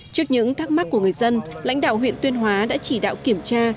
trước những thắc mắc của người dân lãnh đạo huyện tuyên hóa đã chỉ đạo kiểm tra